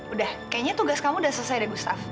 udah kayaknya tugas kamu udah selesai deh gustaf